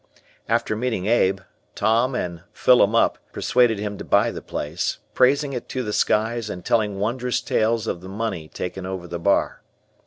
After meeting Abe, Tom and Fillem Up persuaded him to buy the place, praising it to the skies and telling wondrous tales of the money taken over the bar.